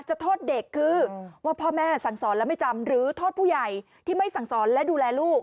โทษเด็กคือว่าพ่อแม่สั่งสอนแล้วไม่จำหรือโทษผู้ใหญ่ที่ไม่สั่งสอนและดูแลลูก